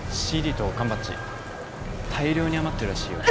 ＣＤと缶バッジ大量に余ってるらしいよ